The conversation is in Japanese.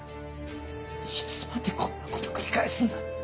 いつまでこんなこと繰り返すんだ。